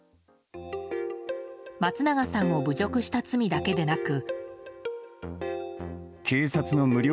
松永さんを侮辱した罪だけでなく。